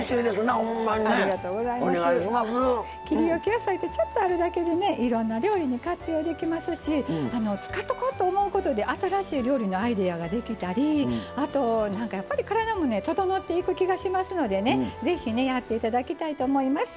野菜ってちょっとあるだけでねいろんな料理に活用できますし使っとこうと思うことで新しい料理のアイデアができたりあとなんかやっぱり体もね整っていく気がしますのでね是非ねやって頂きたいと思います。